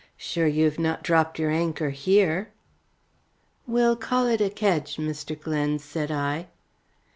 Sure, you have not dropped your anchor here." "We'll call it a kedge, Mr. Glen," said I.